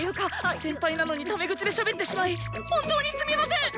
先輩なのにタメ口でしゃべってしまい本当にすみません！